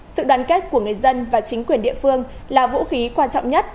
sự đoàn kết của người dân và chính quyền địa phương là vũ khí quan trọng nhất